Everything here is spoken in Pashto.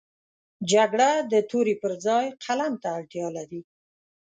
جګړه د تورې پر ځای قلم ته اړتیا لري